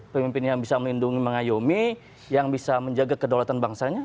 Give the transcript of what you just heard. pemimpin yang bisa melindungi mengayomi yang bisa menjaga kedaulatan bangsanya